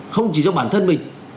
không chỉ cho bản thân mình